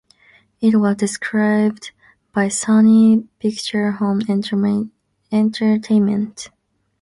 It was distributed by Sony Pictures Home Entertainment.